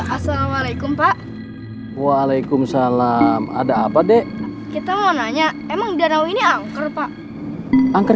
assalamualaikum pak waalaikumsalam ada apa deh kita mau nanya emang danau ini angker pak angker